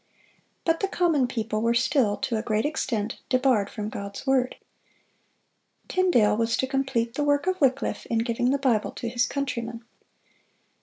But the common people were still, to a great extent, debarred from God's word. Tyndale was to complete the work of Wycliffe in giving the Bible to his countrymen.